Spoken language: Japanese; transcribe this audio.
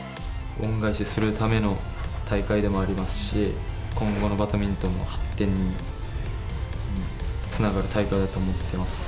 恩返しするための大会でもありますし、今後のバドミントンの発展につながる大会だと思ってます。